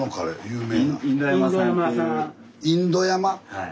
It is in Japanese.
はい。